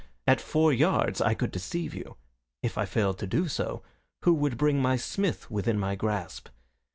At four yards, I could deceive you. If I failed to do so, who would bring my Smith within my grasp?